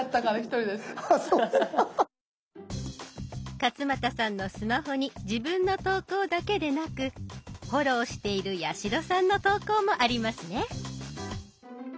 勝俣さんのスマホに自分の投稿だけでなくフォローしている八代さんの投稿もありますね。